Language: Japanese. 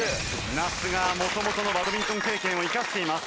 那須が元々のバドミントン経験を生かしています。